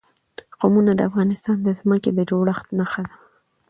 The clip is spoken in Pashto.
قومونه د افغانستان د ځمکې د جوړښت نښه ده.